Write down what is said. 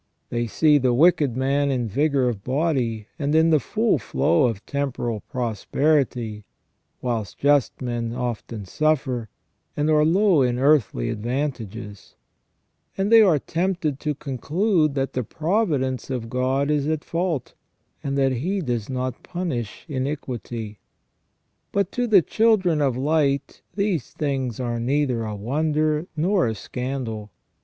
They see the wicked man in vigour of body, and in the full flow of temporal prosperity, whilst just men often suffer, and are low in earthly advantages ; and they are tempted to conclude that the providence of God is at fault, and that He does not punish iniquity. But to the children of light these things are neither a wonder nor a scandal.